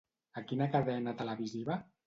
A quina cadena televisiva?